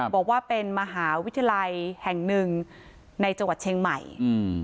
บอกว่าเป็นมหาวิทยาลัยแห่งหนึ่งในจังหวัดเชียงใหม่อืม